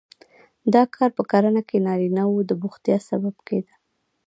دا کار په کرنه کې نارینه وو د بوختیا سبب کېده.